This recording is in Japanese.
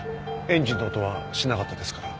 エンジンの音はしなかったですから。